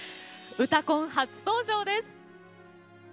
「うたコン」初登場です。